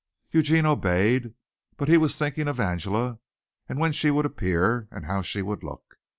Eugene obeyed, but he was thinking of Angela and when she would appear and how she would look.